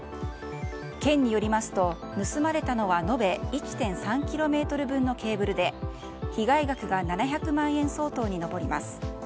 県によりますと、盗まれたのは延べ１．３ｋｍ分のケーブルで被害額は７００万円相当に上ります。